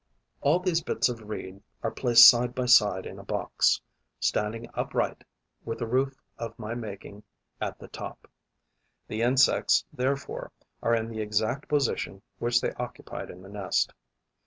All these bits of reed are placed side by side in a box, standing upright, with the roof of my making at the top. The insects, therefore, are in the exact position which they occupied in the nest.